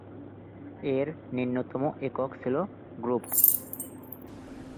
এর নিম্নতম একক ছিল "গ্রুপ"।